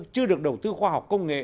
chưa được đầu tư khoa học công nghệ